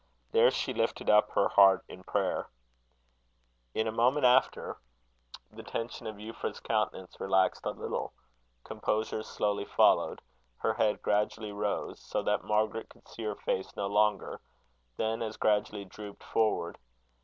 There she lifted up her heart in prayer. In a moment after the tension of Euphra's countenance relaxed a little; composure slowly followed; her head gradually rose, so that Margaret could see her face no longer; then, as gradually, drooped forward.